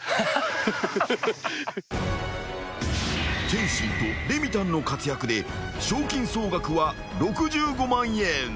［天心とレミたんの活躍で賞金総額は６５万円］